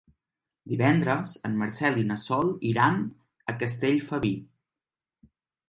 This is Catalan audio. Divendres en Marcel i na Sol iran a Castellfabib.